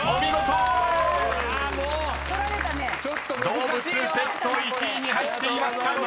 ［動物ペット１位に入っていました。